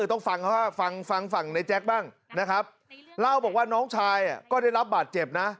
ต้องฟังฟังในแจ๊กบ้างนะครับเล่าบอกว่าน้องชายก็ได้รับบัตรเจ็บนะ